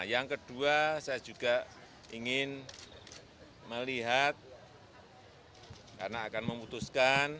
yang kedua saya juga ingin melihat karena akan memutuskan